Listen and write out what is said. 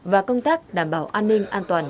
và công tác đảm bảo an ninh an toàn